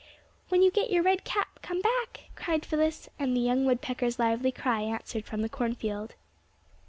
"When you get your red cap, come back," cried Phyllis, and the young woodpecker's lively cry answered from the corn field.